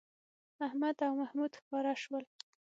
احمد او محمود ښکاره شول